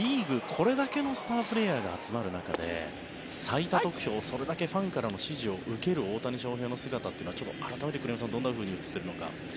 これだけのスタープレーヤーが集まる中で最多得票、それだけファンからの支持を受ける大谷翔平の姿というのはちょっと改めて栗山さんにどう映っているのか。